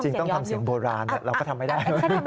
ต้องทำเสียงโบราณเราก็ทำไม่ได้